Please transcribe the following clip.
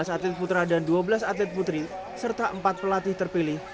tiga belas atlet putra dan dua belas atlet putri serta empat pelatih terpilih